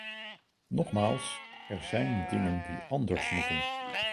Nogmaals, er zijn dingen die anders moeten.